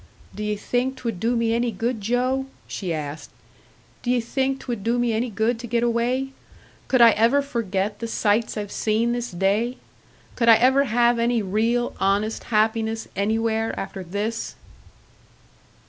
"D'ye think 'twould do me any good, Joe?" she asked. "D'ye think 'twould do me any good to get away? Could I ever forget the sights I've seen this day? Could I ever have any real, honest happiness anywhere after this?"